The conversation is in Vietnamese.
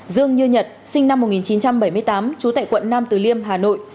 dương như nhật sinh năm một nghìn chín trăm bảy mươi tám trú tại quận nam từ liêm hà nội